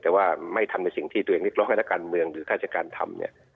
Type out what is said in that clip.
แต่ว่าไม่ทำเป็นสิ่งที่ตัวเองเรียกร้องให้ละการเมืองหรือฆาติการทำ